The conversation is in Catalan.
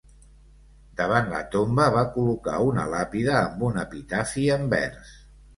Davant la tomba va col·locar una làpida amb un epitafi en vers.